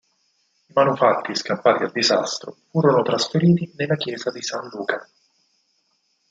I manufatti scampati al disastro furono trasferiti nella chiesa di San Luca.